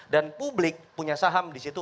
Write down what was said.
dan publik punya saham disitu